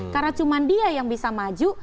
karena cuma dia yang bisa maju